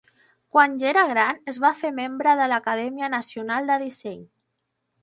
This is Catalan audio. Quan ja era gran, es va fer membre de l'Acadèmia Nacional de Disseny.